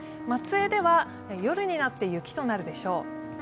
松江では夜になって雪となるでしょう。